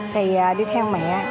thì đi theo mẹ